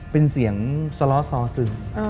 เป็นเสียงสล้อซอสึง